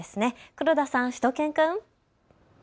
黒田さん、しゅと犬くん。